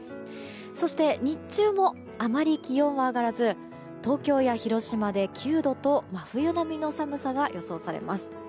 そして、日中もあまり気温は上がらず東京や広島で９度と真冬並みの寒さが予想されます。